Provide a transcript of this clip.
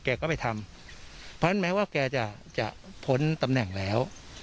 แกก็ไปทำเพราะฉะนั้นแม้ว่าแกจะจะพ้นตำแหน่งแล้ว